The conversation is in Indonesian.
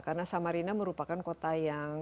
karena samarinda merupakan kota yang